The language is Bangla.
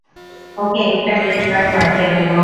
ওকে একটা গিফট কার্ড পাঠিয়ে দেবো।